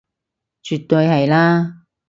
絕對係啦